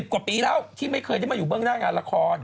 กว่าปีแล้วที่ไม่เคยได้มาอยู่เบื้องหน้างานละคร